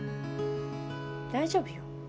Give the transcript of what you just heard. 大丈夫よ。